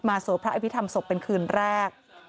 สวดพระอภิษฐรรมศพเป็นคืนแรก